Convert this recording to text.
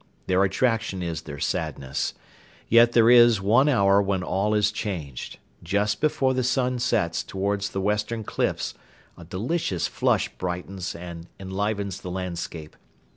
Their attraction is their sadness. Yet there is one hour when all is changed. Just before the sun sets towards the western cliffs a delicious flush brightens and enlivens the landscape.